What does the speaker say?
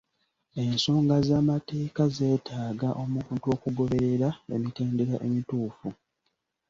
Ensonga z'amateeka zeetaaga omuntu okugoberera emitendera emituufu.